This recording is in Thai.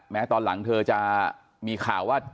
ตอนหลังเธอจะมีข่าวว่า